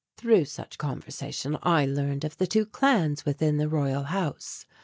Through such conversation I learned of the two clans within the Royal House.